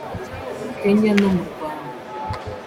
Kenya no mu Rwanda